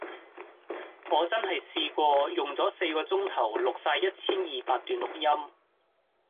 我真係試過用左四個鐘頭錄曬一千二百段錄音